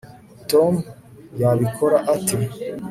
tom yabikora ate